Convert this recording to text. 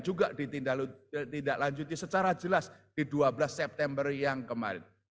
juga ditindaklanjuti secara jelas di dua belas september yang kemarin